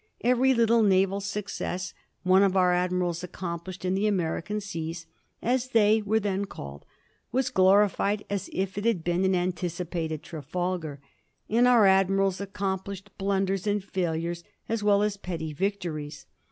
Every little naval success one of our admirals accomplished in the American seas, as they were then called, was glorified as if it had been an anticipated Trafalgar ; and our admirals accomplished blunders and failures as well as petty victo ries.